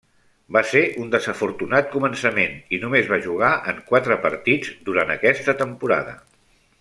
Va ser un desafortunat començament, i només va jugar en quatre partits durant aquesta temporada.